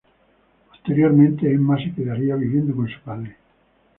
Posteriormente, Emma se quedaría viviendo con su padre.